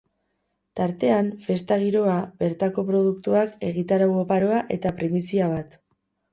Tartean, festa giroa, bertako produktuak, egitarau oparoa eta primizia bat.